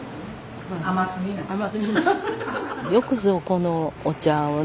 よくぞこのお茶をね